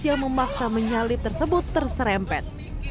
yang memaksa menyalip tersebut terserempet